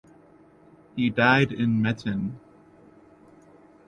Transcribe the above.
He died in Metten.